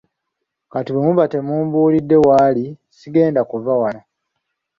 Kati bwe muba temumbuulidde waali sigenda kuva wano.